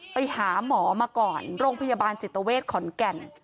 ไปหาหมอมาก่อนโรงพยาบาลจิตเวทขอนแก่น